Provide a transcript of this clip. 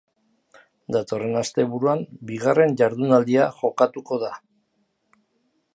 Datorren asteburuan bigarren jardunaldia jokatuko da.